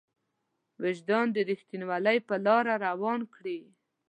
وجدان د رښتينولۍ په لاره روان کړي.